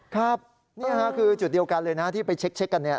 ครับนี่ค่ะคือจุดเดียวกันเลยนะที่ไปเช็คกันเนี่ย